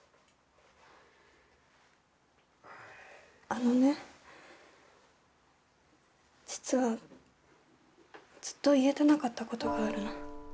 あのね実はずっと言えてなかったことがあるの。